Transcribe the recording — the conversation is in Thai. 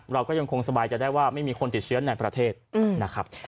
เราก็ยังคงสบายใจได้ว่าไม่มีคนติดเชื้อในประเทศนะครับ